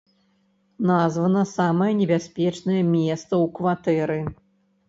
Названа самае небяспечнае месца ў кватэры.